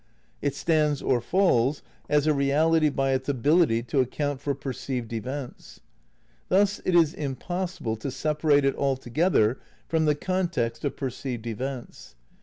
It stands or falls as a reality by its ability to account for perceived events. Thus it is impossible to separate it altogether from the context of perceived events.